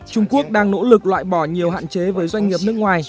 trung quốc đang nỗ lực loại bỏ nhiều hạn chế với doanh nghiệp nước ngoài